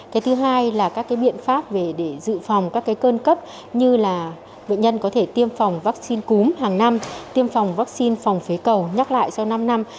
cái thứ hai là các biện pháp để dự phòng các cơn cấp như là bệnh nhân có thể tiêm phòng vaccine cúm hàng năm tiêm phòng vaccine phòng phế cầu nhắc lại sau năm năm